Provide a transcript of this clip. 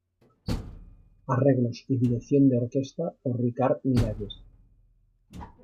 Arreglos y dirección de orquesta por Ricard Miralles.